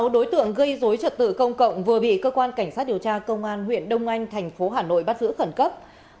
sáu đối tượng gây dối trật tự công cộng vừa bị cơ quan cảnh sát điều tra công an huyện đông anh thành phố hà nội bắt giữ khẩn cấp